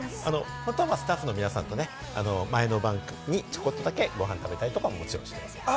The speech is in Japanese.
スタッフの皆さんとはね、前の晩にちょこっとだけ、ごはん食べたりとか、もちろんします。